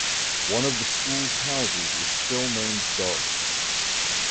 One of the school's houses is still named Darwin.